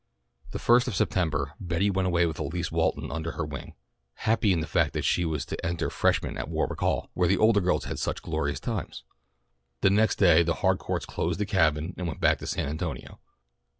The first of September Betty went away with Elise Walton under her wing, happy in the fact that she was to enter Freshman at Warwick Hall, where the older girls had had such glorious times. The next day the Harcourts closed the Cabin and went back to San Antonio.